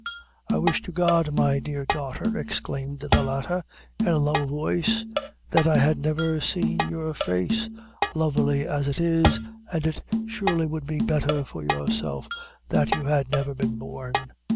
"I wish to God, my dear daughter," exclaimed the latter, in a low voice, "that I had never seen your face, lovely as it is, an' it surely would be betther for yourself that you had never been born."